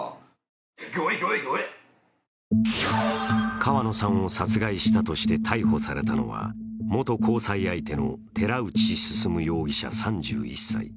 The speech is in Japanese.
川野さんを殺害したとして逮捕されたのは元交際相手の寺内進容疑者３１歳。